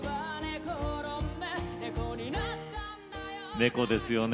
「猫」ですよね。